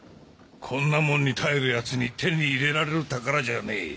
こんなもんに頼るやつに手に入れられる宝じゃねえ